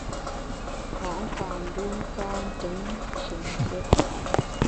Mo’ nkam mbem ka ntùm nshin nkùet.